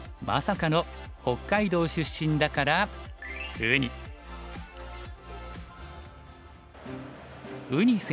まさかの北海道出身だからウニ。